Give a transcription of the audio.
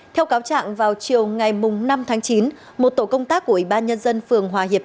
theo cáo trạng vào chiều ngày năm tháng chín một tổ công tác của ủy ban nhân dân phường hòa hiệp